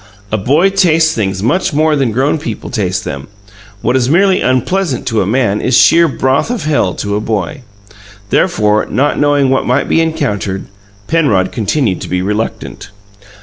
A boy tastes things much more than grown people taste them: what is merely unpleasant to a man is sheer broth of hell to a boy. Therefore, not knowing what might be encountered, Penrod continued to be reluctant.